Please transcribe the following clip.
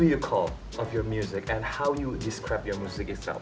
apa yang kamu panggil musikmu dan bagaimana kamu menjelaskan musikmu sendiri